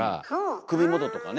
首元とかね。